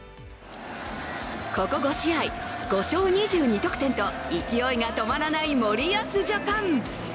ここ５試合、５勝２２得点と、勢いが止まらない森保ジャパン。